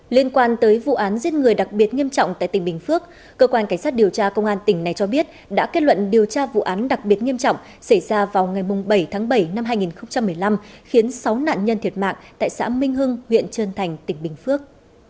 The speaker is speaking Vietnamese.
liên quan tới vụ án giết người đặc biệt nghiêm trọng tại tỉnh bình phước cơ quan cảnh sát điều tra công an tỉnh này cho biết đã kết luận điều tra vụ án đặc biệt nghiêm trọng xảy ra vào ngày bảy tháng bảy năm hai nghìn một mươi năm khiến sáu nạn nhân thiệt mạng tại xã minh hưng huyện trân thành tỉnh bình phước